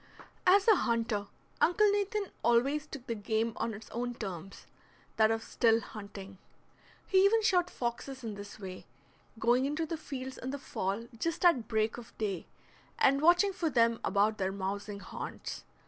As a hunter Uncle Nathan always took the game on its own terms, that of still hunting. He even shot foxes in this way, going into the fields in the fall just at break of day, and watching for them about their mousing haunts.